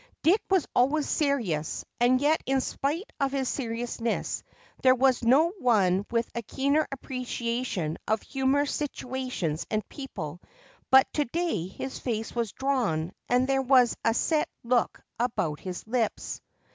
Dick was always serious and yet in spite of his seriousness there was no one with a keener appreciation of humorous situations and people, but to day his face was drawn and there was a set look about his lips.